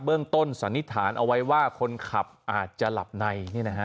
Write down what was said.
ต้นสันนิษฐานเอาไว้ว่าคนขับอาจจะหลับใน